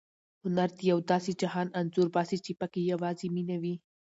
هنر د یو داسې جهان انځور باسي چې پکې یوازې مینه وي.